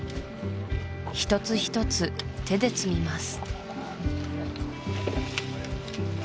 一つ一つ手で摘みます